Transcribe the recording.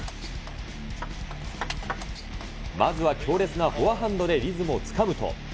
まずは強烈なフォアハンドでリズムをつかむと。